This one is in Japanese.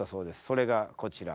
それがこちら。